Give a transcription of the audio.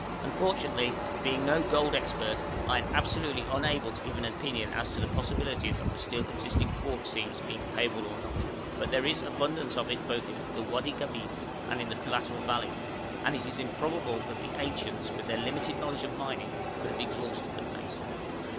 Unfortunately being no gold expert, I am absolutely unable to give an opinion as to the possibilities of the still existing quartz seams being payable or not, but there is abundance of it both in the Wadi Gabeit and in the collateral valleys, and it is improbable that the ancients with their limited knowledge of mining could have exhausted the place.